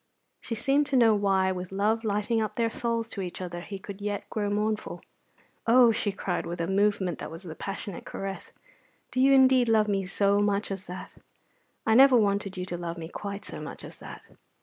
She seemed to know why, with love lighting up their souls to each other, he could yet grow mournful. "Oh," she cried, with a movement that was a passionate caress, "do you indeed love me so much as that? I never wanted you to love me quite so much as that!"